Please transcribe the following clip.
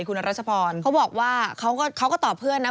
เขาก็ตอบเพื่อนนะ